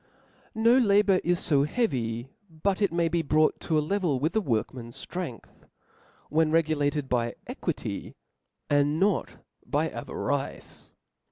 No labour is fo heavy, but it may be brought to a level with the workman's ftrength, when re gulated by equity, and not by avarice.